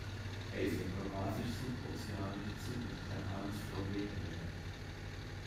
Er ist ein eurasisch-subozeanisch-submediterranes Florenelement.